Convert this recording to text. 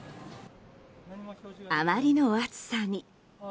あまりの暑さに。